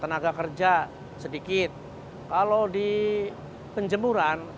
tenaga kerja sedikit kalau di penjemuran